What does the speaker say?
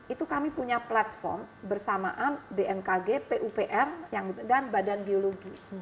itu kami punya platform bersamaan bmkg pupr dan badan geologi